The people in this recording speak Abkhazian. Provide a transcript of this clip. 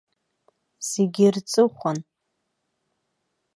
Зегьы рҵыхәан.